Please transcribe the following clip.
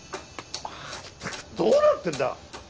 全くどうなってんだ